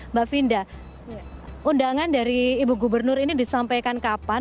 mbak finda undangan dari ibu gubernur ini disampaikan kapan